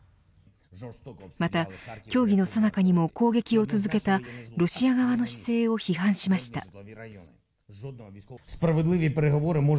また協議のさなかにも攻撃を続けたロシア側の姿勢を批判しました。